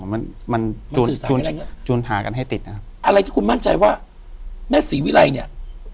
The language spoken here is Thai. มันมันจูนจูนหากันให้ติดนะครับอะไรที่คุณมั่นใจว่าแม่ศรีวิไรเนี้ย